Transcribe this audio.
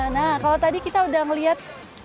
nah kalau tadi kita udah ngeliat